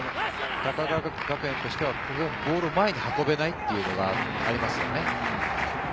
高川学園としてはボールを前に運べないというのがありますよね。